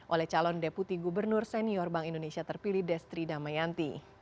oleh calon deputi gubernur senior bank indonesia terpilih destri damayanti